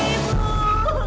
ibu saya dimana